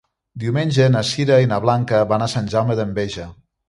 Diumenge na Sira i na Blanca van a Sant Jaume d'Enveja.